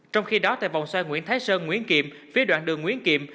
trong khi đó tại vòng xoay nguyễn thái sơn nguyễn kiệm phía đoạn đường nguyễn kiệm